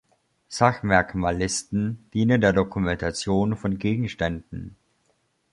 Sachmerkmal-Listen dienen der Dokumentation von Gegenständen.